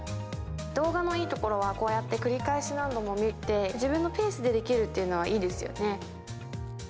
動画のいいところは、こうやって繰り返し、何度も見て、自分のペースでできるっていうのがいいですよね。